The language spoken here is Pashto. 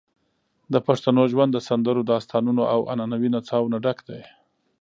د پښتنو ژوند د سندرو، داستانونو، او عنعنوي نڅاوو نه ډک دی.